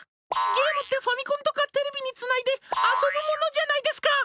ゲームってファミコンとかテレビにつないで遊ぶものじゃないですか。